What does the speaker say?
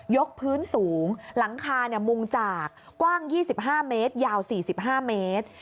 พื้นสูงหลังคามุงจากกว้าง๒๕เมตรยาว๔๕เมตร